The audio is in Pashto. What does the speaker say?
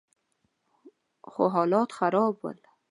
خو حالات خراب ول.